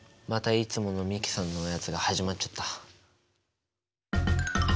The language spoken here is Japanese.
いつもの美樹さんのやつが始まっちゃった。